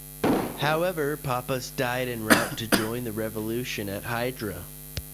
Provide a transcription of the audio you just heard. However, Pappas died en route to join the revolution at Hydra.